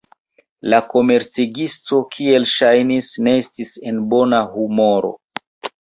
La komercegisto, kiel ŝajnis, ne estis en bona humoro.